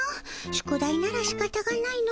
宿題ならしかたがないの。